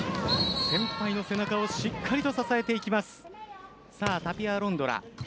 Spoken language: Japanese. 先輩の背中をしっかりと支えていきます。